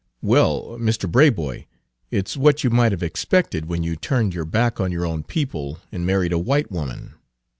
"Well, Mr. Braboy, it's what you might have expected when you turned your back on your own people and married a white woman.